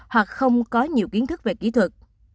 hoặc không có nhiều kiến thức về kỹ thuật